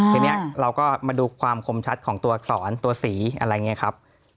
ทีนี้เราก็มาดูความคมชัดของตัวอักษรตัวสีอะไรอย่างนี้ครับ